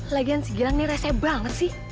lagian si gilang ini rese banget sih